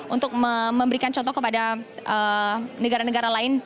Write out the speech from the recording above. untuk memberikan contoh kepada negara negara lain